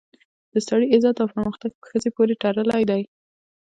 د سړي عزت او پرمختګ په ښځې پورې تړلی دی